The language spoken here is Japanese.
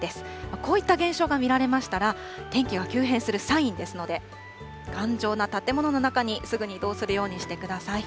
こういった現象が見られましたら、天気が急変するサインですので、頑丈な建物の中に、すぐに移動するようにしてください。